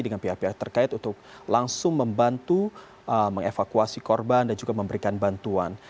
dengan pihak pihak terkait untuk langsung membantu mengevakuasi korban dan juga memberikan bantuan